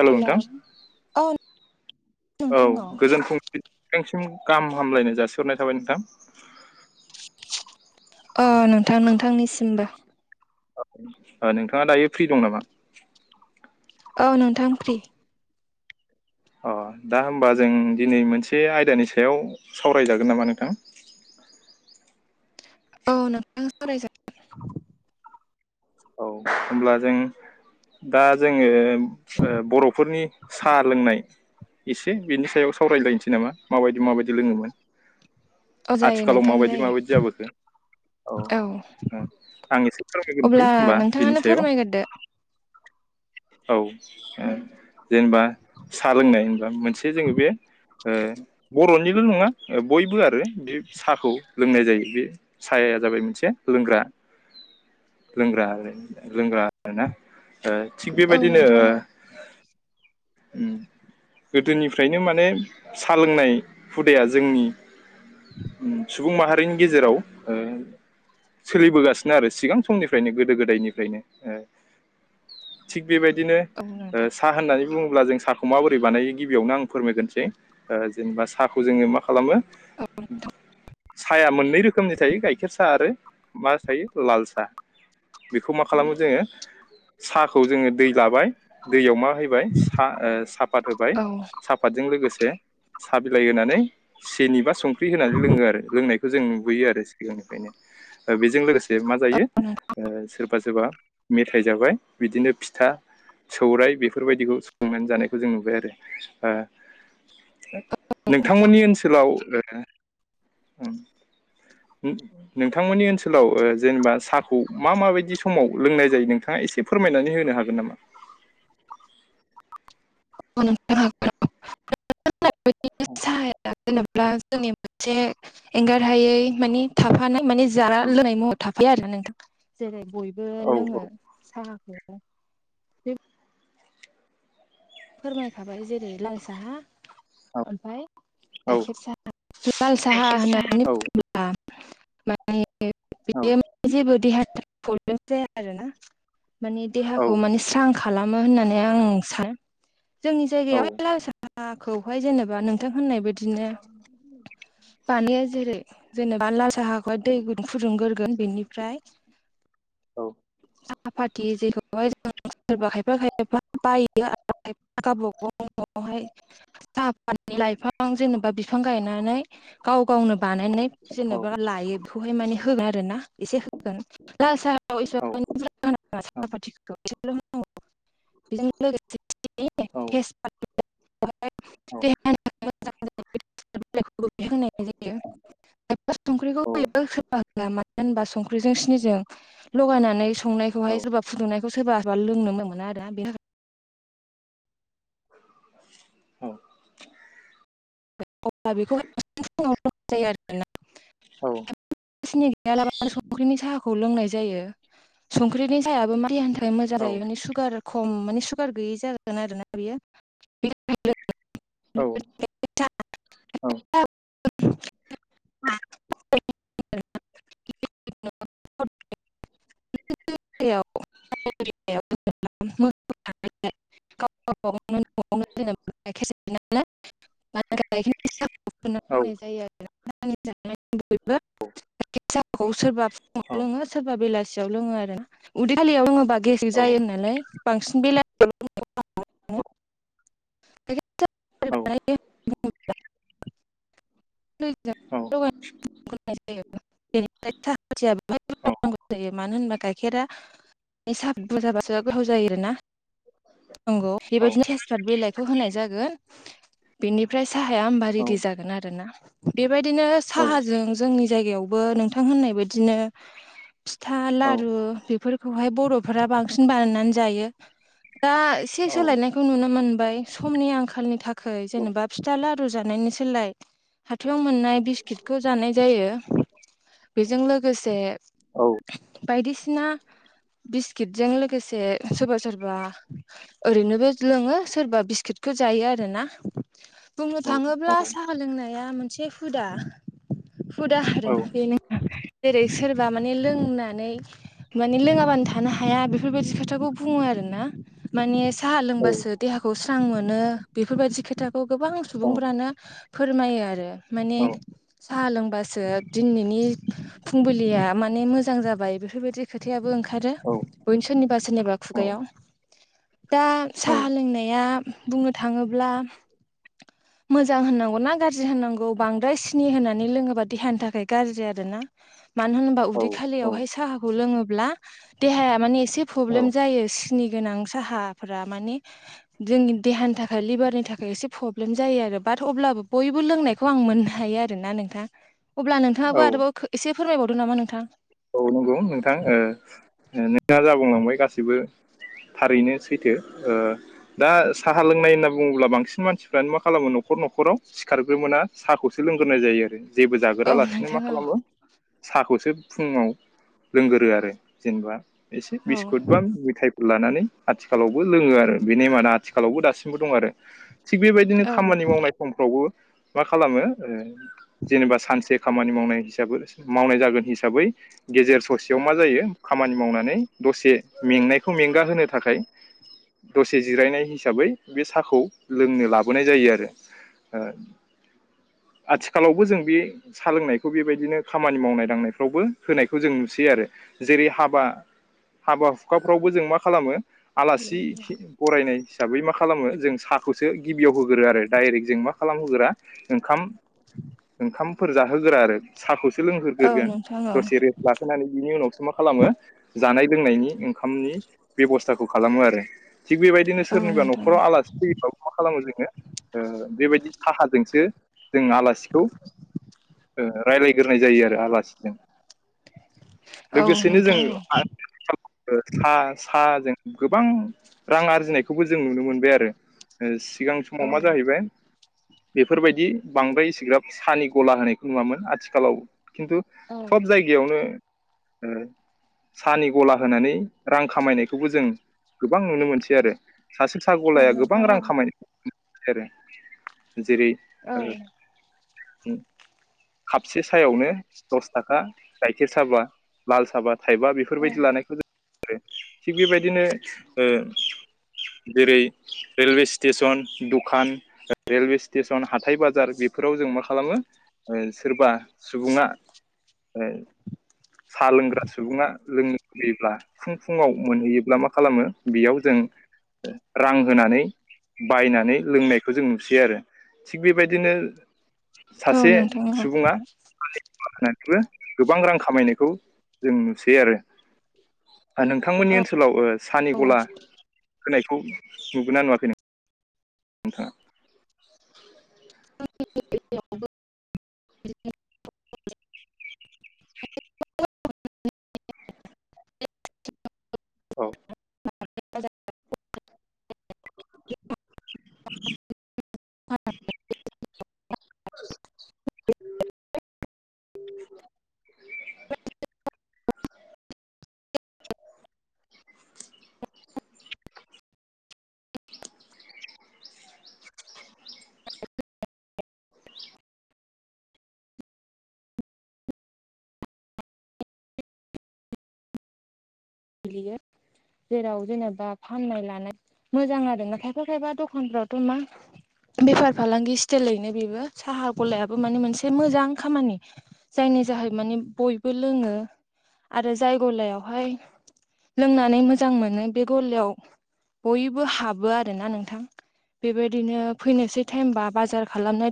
Hello नोंथां hello औ गोजोन फुंबिलिनि नोंथांनिसिम गाहाम हामलायनाय जासिहरनाय थाबाय नोंथां। अ नोंथां नोंथांनिसिमबो। अ नोंथाङा दायो फ्रि दं नामा? औ नोंथां फ्रि। अ दा होमबा जों दिनै मोनसे आयदानि सायाव सावरायजागोन नामा नोंथां? औ नोंथां सावरायजागोन। [inaudible] औ होमब्ला जों दा जोङो ओ बर'फोरनि साहा लोंनाय एसे बिनि सायाव सावरायलायनोसै नामा माबायदि माबायदि लोङोमोन। औ जायो आथिखालाव नोंथां माबायदि जायो माबायदि जाबोखो। औ आं एसे फोरमायग्रोनोसै अब्ला होमबा बिनि नोंथाङानो सायाव फोरमायग्रोदो। औ ओ जेनेबा साहा लोंनाय होनबा मोनसे जोङो बे ओ बर'निल' नङा बयबो आरो बे साहाखौ लोंनाय जायो बे साहाया जाबाय मोनसे लोंग्रा लोंग्रा आरो लोंग्रा आरो ना ओ थिग औ बेबायदिनो नोंथां औ ओम गोदोनिफ्रायनो माने साहा लोंनाय हुदाया जोंनि सुबुं माहारिनि गेजेराव ओ सोलिबोगासिनो आरो सिगां समनिफ्रायनो गोदो गोदायनिफ्रायनो ओ थि बेबायदिनो औ नोंथां साहा होननानै बुङोब्ला जों साहाखौ माबोरै बानायो गिबियावनो आं फोरमायग्रोसै ओ जेनेबा साहाखौ जोङो मा खालामो साहाया मोननै रोखोमनि थायो गाइखेर साहा आरो मा थायो लाल साहा। बेखौ मा खालामो जोङो साहाखौ जोङो दै लाबाय दैयाव मा होयो बाय सा ओ साफाद होबाय औ सा फादजों लोगोसे साहा बिलाइ होनानै सेनि बा संख्रि होनानै लोङो आरो लोंनाय खौ जों नुुबोयो आरो सिगांनिफ्रायनो दा बेजों लोगोसे मा जायो [inaudible] ओ सोरबा सोरबा मेथाइ जाबाय बिदिनो फिथा सौरायाइ बेफोरबायदिखौ संनानै जानायखौ जों नुबाय आरो ओ नोंथांमोननि ओनसोलाव ओ उम नोंथांमोननि ओनसोलाव ओ जेनबा सा खौ मा माबायदि समाव लोंनाय जायो नोंथाङा एसे फोरमायनानै होनो हागोन नामा? हागोन नोंथां हागोन नों होननाय बादिनो साहाया जेनबा जोंनि मोनसे एंगारहायै माने थाफानाय माने जानाय लोंनाय मुवा था बिदि आरोना नोंथां। जेरै बयबो लोङो साहाखौ। बे फोरमायखाबाय जेरै लाल साहा ओमफाय औ गायखेर साहा। लाल साहा होननानै बा माने औ बियो जेबो देहानि थाखाय [unintelligible] [unintelligible] जाया आरोना माने औ देहाखौ माने स्रां खालामो होननानै आं सानो। जोंनि औ जायगायावहाय लाल साखौहाय जेनेबा नोंथां होननाय बायदि [inaudible] जेरै। जेनेबा ला साहाखौहाय दै फुदुंगोरगोन बेनिफ्राय औ। साहा पाति जेखौहाय जों सोरबा खायफा खायफा बायो आरो गाबागाव न'आवहाय साफादनि लाइफां जेनेबा बिफां गायनानै गाव गावनो बानायनाय जेनेबा लायो बेखौहाय माने होगोन आरो ना एसे होगोन लाल साहायाव औ एसेबां [unintelligible] साहा फाथिखौ। एसेल होनांगौ बेजों लोगोसे [unintelligible] टेस्ट [unintelligible] [inaudible] [unintelligible] बिलायखौ होनाय जायो। खायफा संख्रिखौ औ होयो सोरबा होआ मानो होनबा संख्रिजों सिनिजों लगायनानै नानै संनायखौहाय सोरबा फुदुंनायखौ सोरबाबा लोंनो मोना आरो बेनि औ। अब्ला बेखौ [unintelligible] जायो आरोना। औ। सिनि गैयालाबानो संख्रिनि साहाखौ लोंनाय जायो। संख्रिनि साहायाबो मा देहानि था खाय मोजां जायो। माने सुगार खम माने सुगार गैयै जागोन आरोना बियो। औ। [unintelligible] [inaudible] [unintelligible] गाव‌ गाबागावनो [unintelligible] गायखेरनि साहाखौ फुदुंना लोंनाय जायो आरो। [unintelligible] गायखेर साहाखौ सोरबा फुङाव लोङो सोरबा बेलासि [unintelligible] सियाव लोङो आरोना उदै खालियाव लोङोबा गेसटिक जायो होनानै बांसिन बेलासियाव लोंनायखौ औ। औ। [unintelligible] मानो होनबा गाइखेरा एसा बुरजाबासो गोथाव जायो आरोना। नंगौ बेबायदिनो तेसपात बिलाइखौ होनाय जागोन। बेनिफ्राय साहाया होमबा रेडि जागोन आरो ना। बेबायदिनो औ साहाजों जोंनि जायगायावबो नोंथां होननाय बायदिनो फिथा औ लारु बेफोरखौहाय बर'फोरा बांसिन बानायनानै जायो। दा औ एसे सोलायनायखौ नुनो मोनबाय समनि आंखालनि थाखै जेनेबा फिथा लारु जानायनि सोलाय हाथायाव मोननाय बिस्किटखौ जानाय जायो। बेजों लोगोसे औ बायदिसिना बिस्किटजों लोगोसे सोरबा सोरबा ओरैनोबो लोङो सोरबा बिस्कुटखौ जायो आरो ना बुंनो थाङोब्ला साहा लोंनाया मोनसे हुदा। हुदा आरो बेनो जेरै सोरबा माने लोंना नै माने लोङाबानो थानो हाया बेफोरबादि खोथाखौ बुङो आरोना माने साहा लोंबासो देहाखौ स्रां मोनो बेफोरबायदि खोथाखौ गोबां सुबुंफ्रानो फोरमायो आरो माने साहा लोंबासो दिनैनि फुंबिलिया माने मोजां जाबाय बेफोरबायदि खोथायाबो ओंखार ओंखारो सोरनिबा सोरनिबा खुगायाव दा साहा लोंनाया बुंनो थाङोब्ला मोजां होननांगौ ना गाज्रि होननांगौ बांद्राय सिनि होनानै लोङोबा देहानि थाखाय गाज्रि आरो ना। मानो होनोबा औ उदै खालियावहाय साहाखौ लोङोब्ला देहाया माने एसे औ प्रब्लेम जायो। सेनि गोनां साहाफोरा माने जोंनि देहानि थाखाय लिभारनि थाखाय एसे प्र ब्लेम जायो आरो बाट अब्लाबो बयबो लोंनायखौ आं मोननो हायो आरोना नोंथां। अब्ला नोंथाङाबो आरोबाव एसे फोरमायबावदो नामा नोंथां। औ नंगौ नोंथां ओ ओ नोंथाङा जा बुंलांबाय गासैबो थारैनो सैथो ओ दा साहा लोंनाय होनना बुङोब्ला बांसिन मानसिफ्रानो मा खालामो न'खर न'खराव सिखारग्रोमोना साहाखौ लोंग्रोनाय जायो जेबो औ जागोरालासिनो नोंथां मा औ खालामो साखौसो फुङाव लोंगोरो आरो जेनेबा एसे औ बिस्कुट बा मेथाय लानानै आथिखालावबो लोङो आरो बे नेमानो आथिखालावबो दासिमबो दङ आरो थिग बेबायदिनो औ खामानि मावनाय समफ्रावबो मा खालामो ओ जेनेबा सानसे खामानि मावनाय हिसाबै मावनाय जागोन हिसाबै गेजेर ससेयाव मा जायो खामानि मावनानै दसे मेंनायखौ मेंगा होनो थाखाय दसे जिरायनाय हिसाबै बे साखौ लोंनो लाबोनाय जायो आरो ओ आथिखालावबो जों बे सा लोंनायखौ बेबायदिनो खामानि मावनाय दांनायफ्रावबो होनायखौ जों नुसै आरो जेरै हाबा। हाबा हुखाफ्रावबो जों मा खालामो आलासि हि बरायनाय हिसाबै मा खालामो जों साखौसो गिबियाव होग्रो आरो डाइरेक्ट जों मा खालामहोगोरा ओंखाम ओंखामफोर जाहोगोरा आरो साखौसो औ लोंहोगोरगोन नोंथां औ दसे रे लाखोनानै बिनि उनावसो मा खालामो जानाय लोंनायनि ओंखामनि बेबस्थाखौ खालामो आरो थिग बेबाय बिदिनो औ सोरनिबा नोंथां नखराव औ आलासि फैयोबा मा खालामो जोङो ओ बेबायदि साहाजोंसो जोङो आलासिखौ ओ रायलायग्रोनाय जायो आरो आलासिजों। औ लोगोसेनो जों नोंथां औ आ [unintelligible] सा साजों गोबां रां आरजिनायखौबो जों नुनो मोनबाय आरो ओ सिगां समाव मा औ औ जाहैबाय बेफोरबायदि बांद्राय एसिग्राब सानि गला होनायखौ नुवामोन आथिखा खालाव खिन्थु सब जायगायावनो ओ सानि गला होनानै रां खामायनायखौबो जों गोबां नुनो मोनसै आरो सासे सा गलाया गोबां नोंथां रां खामाय [unintelligible] आरो जेरै। औ। खापसे सायावनो दस थाखा गाइखेर साबा लाल साबा थाइबा औ बेफोरबायदि लानायखौ जों आरो थिग बेबायदिनो ओ जेरै रेलवे स्टेसन दुखान रेलवे स्टेसन हाथाय बाजार बेफोराव जों मा खालामो ओ सोरबा सुबुङा ओ सा लोंग्रा सुबुङा लोंनो लुबैयोब्ला फुं फुङाव मोनहैयोब्ला मा खालामो बेयाव जों रां होनानै बायनानै लोंनायखौ जों नुसै आरो। थिग बेबायदिनो औ सासे नोंथां औ सुबुङा [unintelligible] होनानैबो गोबां रां खामायनाय खौ जों नुसै आरो ओ नोंथांमोननि ओन्सोलाव ओ सानि औ गला होनायखौ नुुगोना नुवाखै नों नोंथाङा? [unintelligible] औ। [unintelligible] [unintelligible] [unintelligible] बिदिनो जेराव जेनेबा फाननाय लानाय मोजां आरो ना खायफा खायफा दखानफ्रावथ' मा बेफार फालांगि स्टेलैनो बेबो साहा गलायाबो मोनसे मोजां खामानि। जायनि जाहै माने बयबो लोङो आरो जाय गलायावहाय लोंनानै मोजां मोनो बे गलायाव बयबो हाबो आरोना नोंथां। बेबायदिनो फैनोसै टाइमबा बाजार खालामनाय